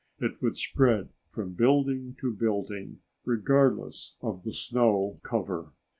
It would spread from building to building regardless of the snow cover.